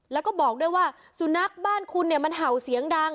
แล้วก็บอกด้วยว่าสุนัขบ้านคุณเนี่ยมันเห่าเสียงดัง